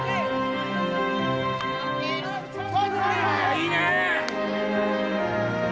いいね！